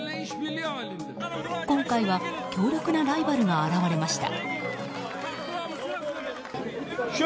今回は強力なライバルが現れました。